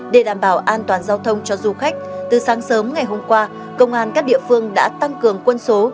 để đảm bảo an toàn giao thông cho du khách từ sáng sớm ngày hôm qua công an các địa phương đã tăng cường quân số